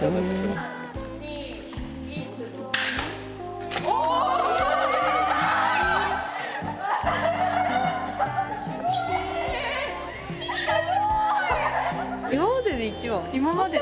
すごい！